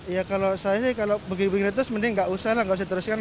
ya kalau saya sih kalau begitu begitu terus mending nggak usah lah nggak usah teruskan